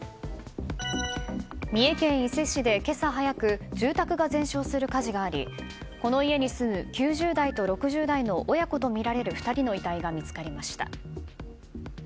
三重県伊勢市で今朝早く住宅が全焼する火事がありこの家に住む９０代と６０代の親子とみられる２人の遺体が見つかりました。